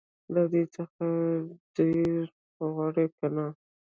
له دې څخه دي ډير غواړم که نه